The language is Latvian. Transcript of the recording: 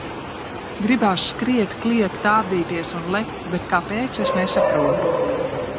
Gribās skriet, kliegt, ārdīties un lekt, bet kāpēc, es nesaprotu.